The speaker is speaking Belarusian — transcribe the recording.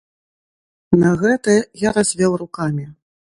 На гэта я развёў рукамі.